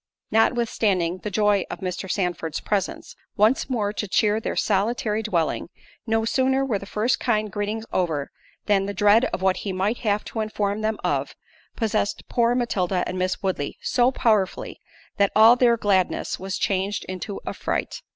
Notwithstanding the joy of Mr. Sandford's presence, once more to cheer their solitary dwelling; no sooner were the first kind greetings over, than the dread of what he might have to inform them of, possessed poor Matilda and Miss Woodley so powerfully, that all their gladness was changed into affright.